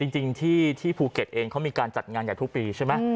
จริงที่ภูเกษท่านเองมีการจัดงานใหญ่ทุกปีใช่มั้ย